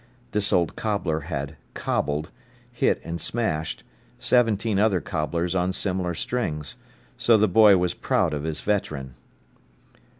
This old cobbler had "cobbled"—hit and smashed—seventeen other cobblers on similar strings. So the boy was proud of his veteran.